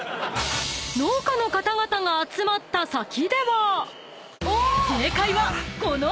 ［農家の方々が集まった先では正解はこの後！］